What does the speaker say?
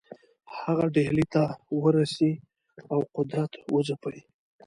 هغه ډهلي ته ورسي او قدرت وځپي.